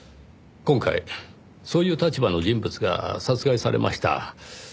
今回そういう立場の人物が殺害されました。